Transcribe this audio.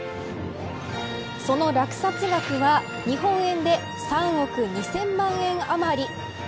その落札額は日本円で３億２０００万円あまり。